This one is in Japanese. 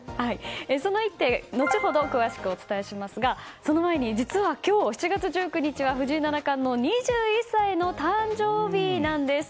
その一手後ほど詳しくお伝えしますがその前に実は今日７月１９日は藤井七冠の２１歳の誕生日なんです。